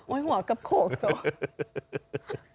โอ๊ยหัวกับโขกตัว